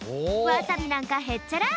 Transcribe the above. わさびなんかへっちゃら！